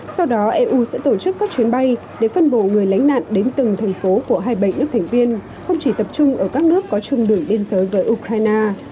sau đó eu sẽ tổ chức các chuyến bay để phân bổ người lánh nạn đến từng thành phố của hai mươi bảy nước thành viên không chỉ tập trung ở các nước có chung đường biên giới với ukraine